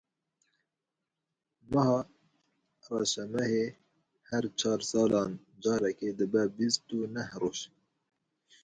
Meha reşemehê her çar salan carekê dibe bîst û neh roj.